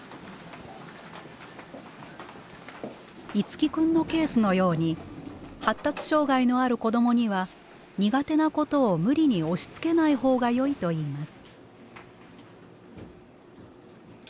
樹君のケースのように発達障害のある子どもには苦手なことを無理に押しつけない方がよいといいます。